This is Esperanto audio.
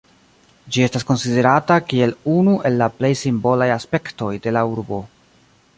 Ĝi estas konsiderata kiel unu el la plej simbolaj aspektoj de la urbo.